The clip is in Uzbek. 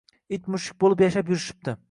It-mushuk bo’lib yashab yurishibdi.